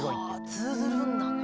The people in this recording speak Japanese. はぁ通ずるんだね。